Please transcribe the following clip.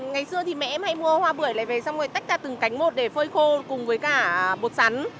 ngày xưa thì mẹ em hay mua hoa bưởi lại về xong rồi tách ra từng cánh một để phơi khô cùng với cả bột sắn